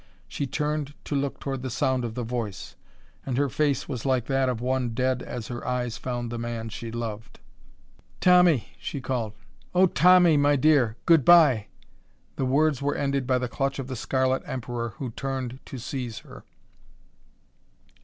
She turned to look toward the sound of the voice, and her face was like that of one dead as her eyes found the man she loved. "Tommy," she called: "oh, Tommy, my dear! Good by!" The words were ended by the clutch of the scarlet Emperor who turned to seize her.